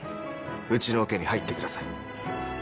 うちのオケに入ってください。